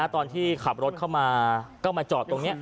ตอนที่ขับรถเข้ามาก็มาจอดตรงนี้